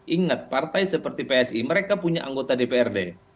ingat partai seperti psi mereka punya anggota dprd